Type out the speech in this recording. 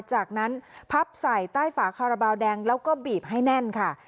จากนั้นพับใส่ใต้ฝาคาราบาลแดงแล้วก็บีบให้แน่นค่ะ